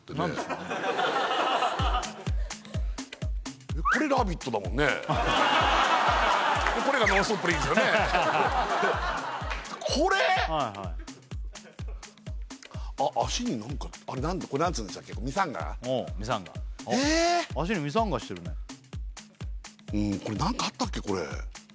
うーんこれ何かあったっけこれ？